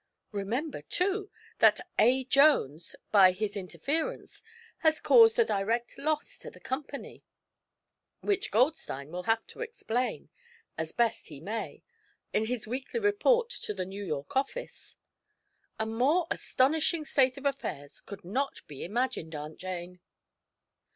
Remember, too, that A. Jones, by his interference, has caused a direct loss to the company, which Goldstein will have to explain, as best he may, in his weekly report to the New York office. A more astonishing state of affairs could not be imagined, Aunt Jane!"